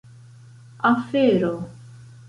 afero